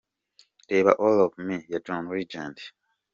Reba All Of Me ya John Legend.